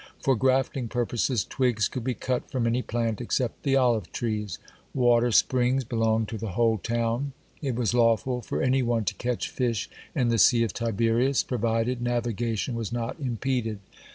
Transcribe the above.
For grafting purposes twigs could be cut from any plant except the olive trees. Water springs belonged to the whole town. It was lawful for any one to catch fish in the Sea of Tiberias, provided navigation was not impeded.